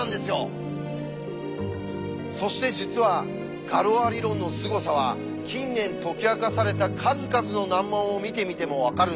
そして実はガロア理論のすごさは近年解き明かされた数々の難問を見てみても分かるんです。